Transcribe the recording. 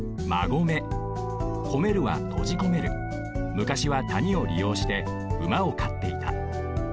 むかしはたにをりようして馬をかっていた。